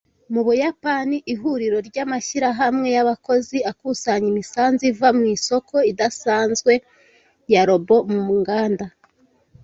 Mu Buyapani Ihuriro ry’amashyirahamwe y’abakozi akusanya imisanzu iva mu isoko idasanzwe ya Robo mu nganda